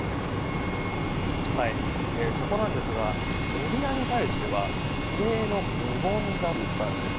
そこなんですがメディアに対しては異例の無言だったんです。